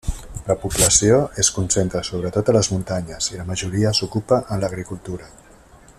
La població es concentra sobretot a les muntanyes, i la majoria s'ocupa en l'agricultura.